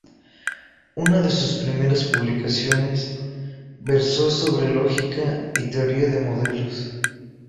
Una de sus primeras publicaciones versó sobre lógica y teoría de modelos.